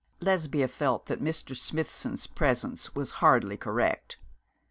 Lesbia felt that Mr. Smithson's presence was hardly correct.